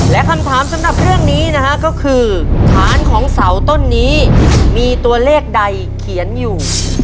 และคำถามสำหรับเรื่องนี้นะฮะก็คือฐานของเสาต้นนี้มีตัวเลขใดเขียนอยู่